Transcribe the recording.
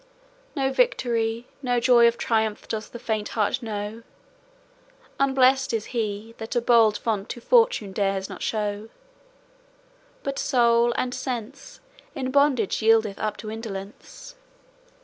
No victory, No joy of triumph doth the faint heart know; Unblest is he That a bold front to Fortune dares not show, But soul and sense In bondage yieldeth up to indolence.